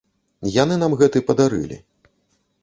Яны нам гэты падарылі.